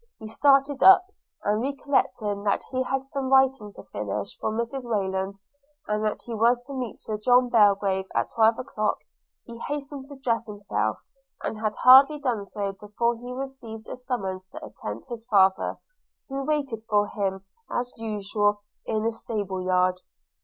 He started up and recollecting that he had some writing to finish for Mrs Rayland, and that he was to meet Sir John Belgrave at twelve o'clock, he hastened to dress himself, and had hardly done so before he received a summons to attend his father, who waited for him a usual in the stable yard.